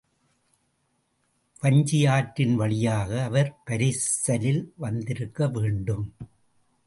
வஞ்சியாற்றின் வழியாக அவர் பரிசலில் வந்திருக்க வேண்டும்.